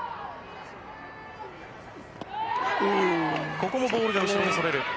ここもボールが後ろにそれる。